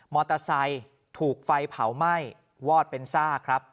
มอเตอร์ไซค์ถูกไฟเผาไหม้วอดเป็นซากครับ